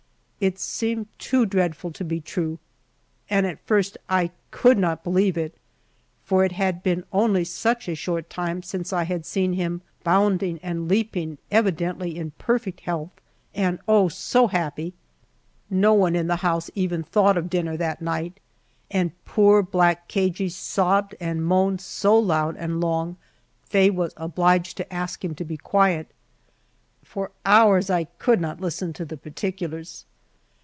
It seemed too dreadful to be true, and at first I could not believe it, for it had been only such a short time since I had seen him bounding and leaping, evidently in perfect health, and oh, so happy! No one in the house even thought of dinner that night, and poor black Cagey sobbed and moaned so loud and long Faye was obliged to ask him to be quiet. For hours I could not listen to the particulars.